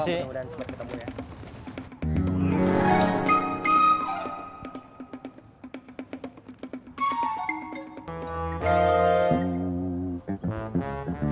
semoga cepat ketemu ya